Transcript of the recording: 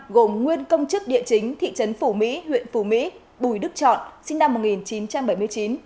gồm nguyên công chức địa chính thị trấn phủ mỹ huyện phù mỹ bùi đức chọn sinh năm một nghìn chín trăm bảy mươi chín